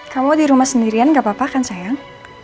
kamu dirumah sendirian gapapa kan sayang